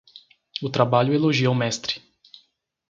O trabalho elogia o mestre.